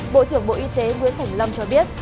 bộ trưởng bộ y tế nguyễn thành lâm cho biết